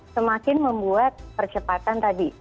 semakin membuat percepatan tadi